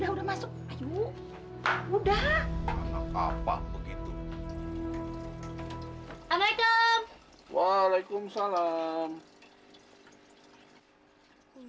udah udah masuk ayo udah anak apa begitu hai alaikum waalaikumsalam